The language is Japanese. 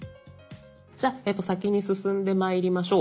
じゃあ先に進んでまいりましょう。